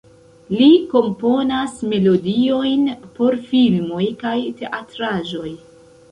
Li komponas melodiojn por filmoj kaj teatraĵoj.